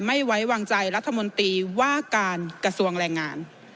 ไม่ไว้วางใจรัฐมนตรีว่าการกระทรวงแรงงาน